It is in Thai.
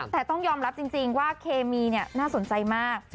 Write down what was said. แต่ต้องยอมรับจริงว่าเคมีน่าสนใจมาก